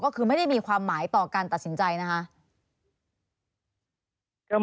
ก็คือไม่ได้มีความหมายต่อการตัดสินใจนะคะ